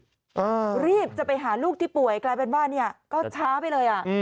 อ่ารีบจะไปหาลูกที่ป่วยกลายเป็นว่าเนี่ยก็ช้าไปเลยอ่ะอืม